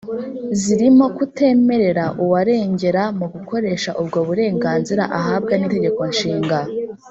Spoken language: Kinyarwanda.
zirimo kutemerera uwarengera mu gukoresha ubwo burenganzira ahabwa n’Itegeko Nshinga